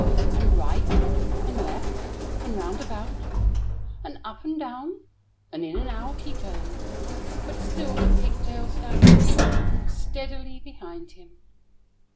And right, and left, and round about, And up, and down, and in, and out, He turned; but still the pigtail stout Hung steadily behind him.